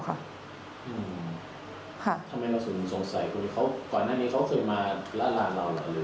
ทำไมเราสงสัยก่อนหน้านี้เขาเคยมาล่าร้านเราหรือ